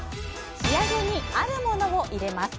仕上げにあるものを入れます。